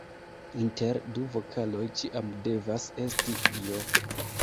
Inter du vokaloj ĉiam devas esti "j".